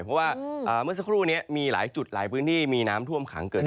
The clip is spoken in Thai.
เพราะว่าเมื่อสักครู่นี้มีหลายจุดหลายพื้นที่มีน้ำท่วมขังเกิดขึ้น